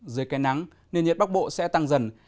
dưới cây nắng nền nhiệt bắc bộ sẽ tăng dần